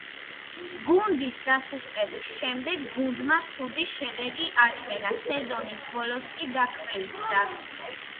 გუნდის დასუსტების შემდეგ, გუნდმა ცუდი შედეგი აჩვენა, სეზონის ბოლოს კი დაქვეითდა.